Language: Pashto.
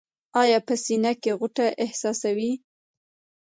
ایا په سینه کې غوټه احساسوئ؟